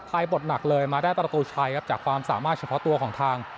พลายบทหนักเลยมาได้ตัดตัวใช้ครับจากความสามารถเฉพาะตัวของทาง